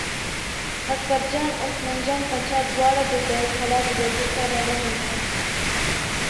اکبرجان او عثمان جان باچا دواړه د کلا دروازې ته را ننوتل.